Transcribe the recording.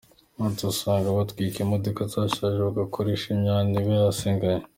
Ati “Usanga batwika imodoka zashaje , bagakoresha imyanda iba yasigaye.